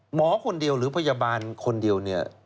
หมอคนเดียวหรือพยาบาลคนเดียวเนี่ย